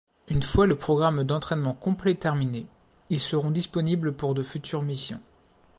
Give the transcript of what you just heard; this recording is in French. Un fois le programme d'entraînement complet terminé, ils seront disponibles pour de futures missions.